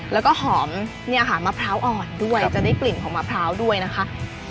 แล้วก็หอมเนี่ยค่ะมะพร้าวอ่อนด้วยจะได้กลิ่นของมะพร้าวด้วยนะคะ